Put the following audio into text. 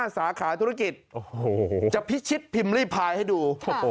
๕สาขาธุรกิจจะพิชิตพิมพ์รีพายให้ดู